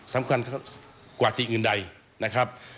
สำคัญกว่าสิ่งอื่นใดนะครับ